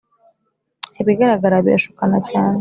ibigaragara birashukana cyane